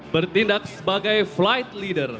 bertindak sebagai flight leader